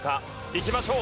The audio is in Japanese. いきましょう。